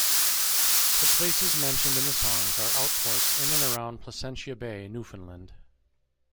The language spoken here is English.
The places mentioned in the song are outports in and around Placentia Bay, Newfoundland.